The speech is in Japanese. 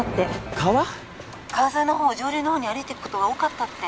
川沿いのほうを上流のほうに歩いていくことが多かったって。